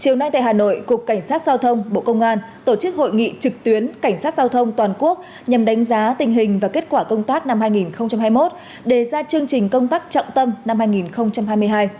chiều nay tại hà nội cục cảnh sát giao thông bộ công an tổ chức hội nghị trực tuyến cảnh sát giao thông toàn quốc nhằm đánh giá tình hình và kết quả công tác năm hai nghìn hai mươi một đề ra chương trình công tác trọng tâm năm hai nghìn hai mươi hai